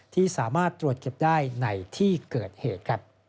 ที่สามารถตรวจเก็บได้ในที่เกิดเหตุ